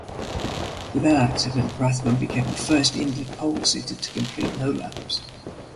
With that accident, Rathmann became the first Indy pole-sitter to complete no laps.